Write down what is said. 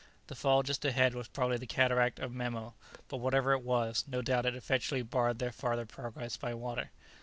The fall just ahead was probably the cataract of Memo, but whatever it was, no doubt it effectually barred their farther progress by water.